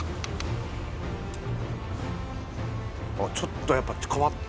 あっちょっとやっぱ変わった。